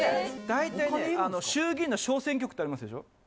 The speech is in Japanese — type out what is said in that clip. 大体ね衆議院の小選挙区ってありますでしょ？